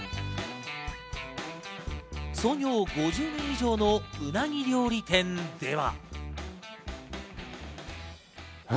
創業５０年以上のうなぎ料理店では。